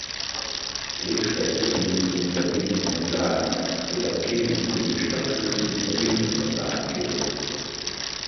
Klebstoffe dienen zum Verbinden von Lagen, so dass Kleben zu den stoffschlüssigen Verbindungsverfahren gehört.